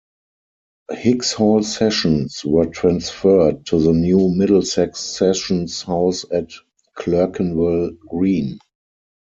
Hicks Hall sessions were transferred to the new Middlesex Sessions House at Clerkenwell Green.